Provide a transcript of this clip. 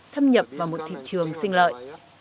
thâm nhập vào một thị trường sinh lợi